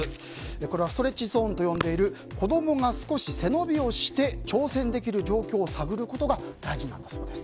これはストレッチゾーンと呼んでいる子供が少し背伸びをして挑戦できる状況を探ることが大事なんだそうです。